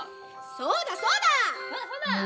そうだそうだ！